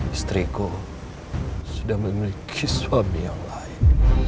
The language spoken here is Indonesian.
istriku sudah memiliki suami yang lain